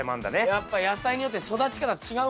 やっぱ野菜によって育ち方違うもんだね。